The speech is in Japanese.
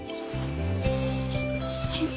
先生